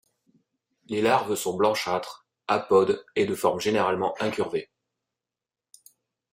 Les larves sont blanchâtres, apodes et de forme généralement incurvée.